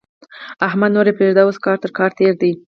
احمده! نور يې پرېږده؛ اوس کار تر کار تېر دی.